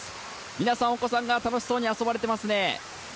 皆さん、お子さんが楽しそうに遊ばれていますね。